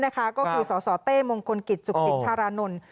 ก็คือสสเต้มงคลกิจสุขสินธารานนท์